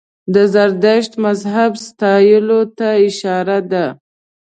د زردشت مذهب ستایلو ته اشاره ده.